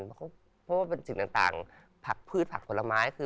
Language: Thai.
เพราะว่าเป็นสิ่งต่างผักพืชผักผลไม้คือ